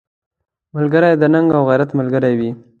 ملګری د ننګ او غیرت ملګری وي